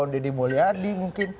dede bole adi mungkin